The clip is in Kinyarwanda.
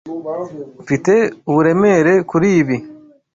Mfite uburemere kuri ibi.